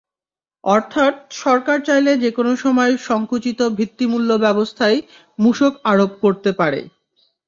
অর্থাৎ সরকার চাইলে যেকোনো সময় সংকুচিত ভিত্তিমূল্যব্যবস্থায় মূসক আরোপ করতে পারে।